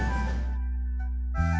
diambil sama orang lain